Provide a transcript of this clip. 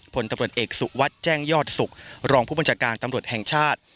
พลตำรวจเอกสุระวัดแจ้งยอดสุกรองพลตำรวจตำรวจแห่งชาติ